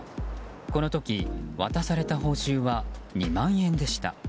この時、渡された報酬は２万円でした。